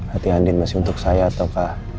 hati andin masih untuk saya ataukah